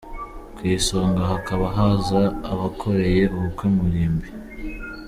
Ku isonga hakaba haza abakoreye ubukwe mu irimbi.